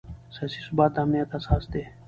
سیاسي ثبات د امنیت اساس دی